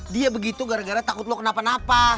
dia begitu gara gara takut lo kenapa napa